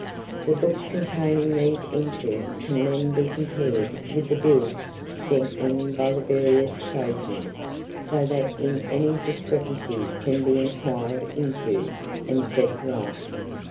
The book containing these entries can then be compared with the bills sent in by the various tradesmen, so that any discrepancy can be inquired into and set right.